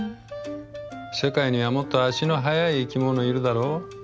世界にはもっと足の速い生き物いるだろ。